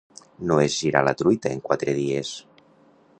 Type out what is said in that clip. No es girar la truita en quatre dies.